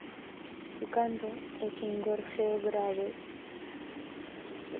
Su canto es un gorjeo grave.